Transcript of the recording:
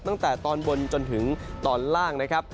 ตั้งแต่ตอนบนจนถึงตอนล่างนะครับ